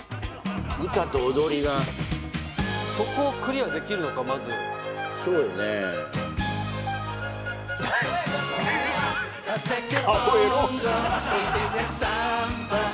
歌と踊りがそこをクリアできるのかまずそうね顔エロっ